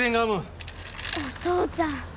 お父ちゃん。